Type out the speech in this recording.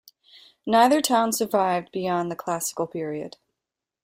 Neither town survived beyond the classical period.